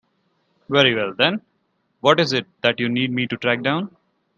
Very well then, what is it that you need me to track down?